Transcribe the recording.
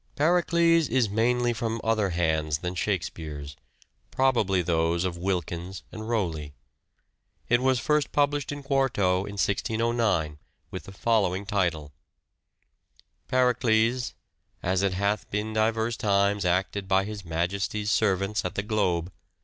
" Pericles " is mainly from other hands than Shake " Pericles." speare's, probably those of Wilkins and Rowley. It was first printed in quarto in 1609 with the following title :—"' Pericles '... as it hath been divers times acted by his Majesty's servants at the Globe.